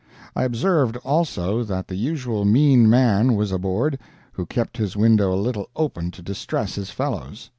I observed, also, that the usual mean man was aboard, who kept his window a little open to distress his fellows.